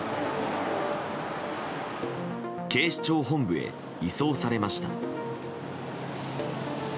警視庁本部へ移送されました。